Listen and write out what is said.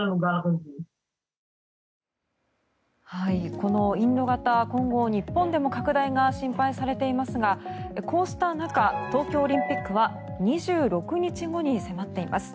このインド型今後、日本でも拡大が心配されていますがこうした中、東京オリンピックは２６日後に迫っています。